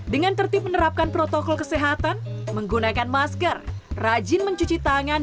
dengan tertib menerapkan protokol kesehatan menggunakan masker rajin mencuci tangan